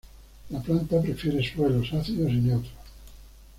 La planta prefiere suelos ácidos y neutros.